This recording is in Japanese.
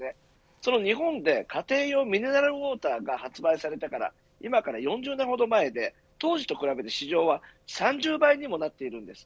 その日本で家庭用ミネラルウォーターが発売されてから今から４０年ほど前で当時と比べて市場は３０倍にもなっているんです。